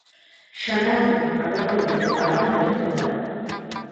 ஷனாகன் அவர்களுடைய பழம்பெரும் தோழன்.